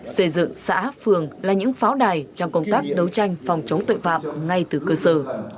xây dựng xã phường là những pháo đài trong công tác đấu tranh phòng chống tội phạm ngay từ cơ sở